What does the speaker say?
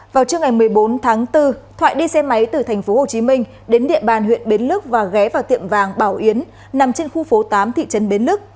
vào trước ngày một mươi bốn tháng bốn thoại đi xe máy từ tp hcm đến địa bàn huyện bến lức và ghé vào tiệm vàng bảo yến nằm trên khu phố tám thị trấn bến lức